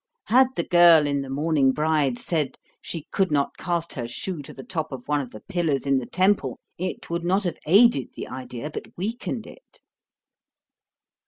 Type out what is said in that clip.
Had the girl in The Mourning Bride said, she could not cast her shoe to the top of one of the pillars in the temple, it would not have aided the idea, but weakened it.'